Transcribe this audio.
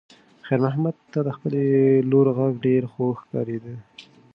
خیر محمد ته د خپلې لور غږ ډېر خوږ ښکارېده.